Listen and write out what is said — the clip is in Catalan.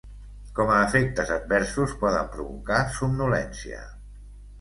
Com a efectes adversos poden provocar somnolència.